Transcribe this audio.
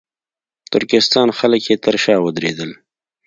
ترکستان خلک یې تر شا ودرېدل.